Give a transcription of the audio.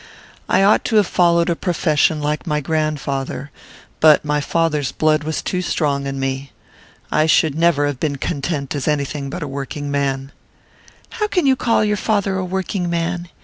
"I ought to have followed a profession, like my grandfather; but my father's blood was too strong in me. I should never have been content as anything but a working man." "How can you call your father a working man?